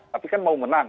tapi kan mau menang